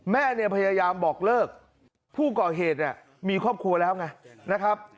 แม่เนี่ยพยายามบอกเลิกผู้ก่อเหตุเนี่ยมีครอบครัวแล้วไงนะครับ